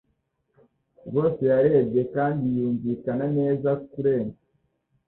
rwose yarebye kandi yumvikana neza kurenza